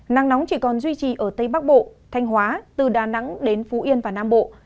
nắng nóng chỉ còn duy trì ở tây bắc bộ thanh hóa từ đà nẵng đến phú yên và nam bộ